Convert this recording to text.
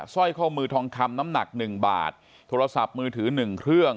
สร้อยข้อมือทองคำน้ำหนักหนึ่งบาทโทรศัพท์มือถือหนึ่งเครื่อง